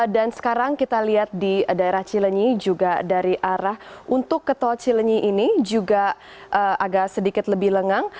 dan sekarang kita lihat di daerah cilenyi juga dari arah untuk ketol cilenyi ini juga agak sedikit lebih lengang